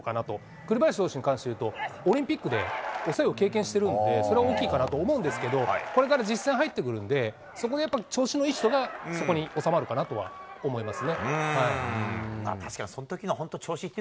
栗林投手に関して言うと、オリンピックで抑えを経験してるんで、それは大きいかなと思うんですけど、これから実戦入ってくるんで、そこでやっぱり調子のいい人がそこにおさまるのかなとは思います